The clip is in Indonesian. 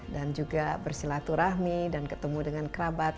dan juga bersilaturahmi dan ketemu dengan kerabat